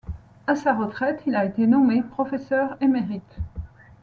À sa retraite, il a été nommé professeur émérite.